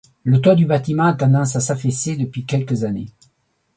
Le toit du bâtiment a tendance à s'affaisser depuis quelques années.